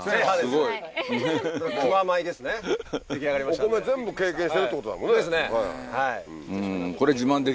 お米全部経験してるってことだもんね。